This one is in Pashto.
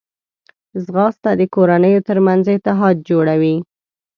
ځغاسته د کورنیو ترمنځ اتحاد جوړوي